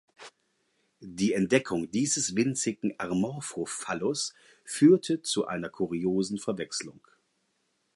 Die Entdeckung dieses winzigen "Amorphophallus" führte zu einer kuriosen Verwechslung.